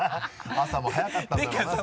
朝も早かったんだろうなそれで。